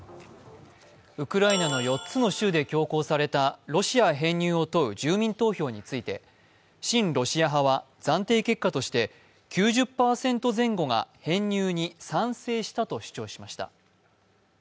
ウクライナの４つの州で強行されたロシア編入を問う住民投票について親ロシア派は暫定結果について９０％前後が編入に賛成したと主張しました。